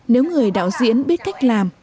nếu người đạo diễn biết cách làm